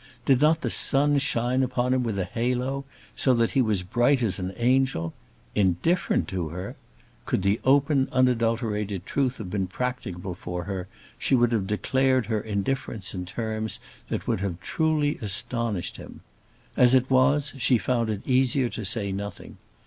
Did not the sun shine upon him with a halo, so that he was bright as an angel? Indifferent to her! Could the open unadulterated truth have been practicable for her, she would have declared her indifference in terms that would truly have astonished him. As it was, she found it easier to say nothing.